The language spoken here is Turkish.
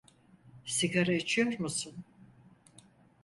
Sigara içiyor musun?